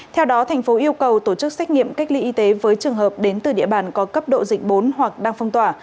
theo đó thành phố yêu cầu tổ chức xét nghiệm cách ly y tế với trường hợp đến từ địa bàn có cấp độ dịch bốn hoặc đang phong tỏa